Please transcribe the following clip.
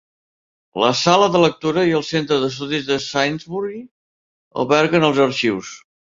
La sala de lectura i el Centre d'estudis de Sainsbury alberguen els arxius.